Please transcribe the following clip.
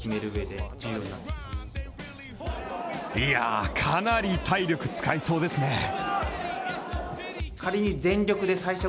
いやあかなり体力使いそうですね。